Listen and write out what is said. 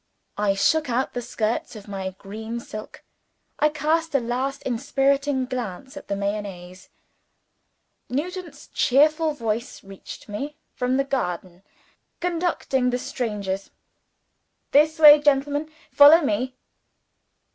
I shook out the skirts of my green silk, I cast a last inspiriting glance at the Mayonnaise. Nugent's cheerful voice reached me from the garden, conducting the strangers. "This way, gentlemen follow me."